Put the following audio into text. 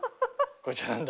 こよちゃん何だ？